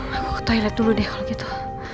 aku ke toilet dulu deh kalau gitu